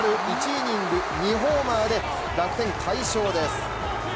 １イニング２ホーマーで、楽天、快勝です。